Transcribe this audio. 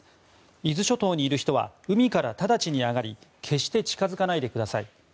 伊豆諸島にいる人は海から直ちに上がり決して近づかないでください。